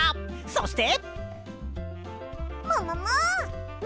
そして！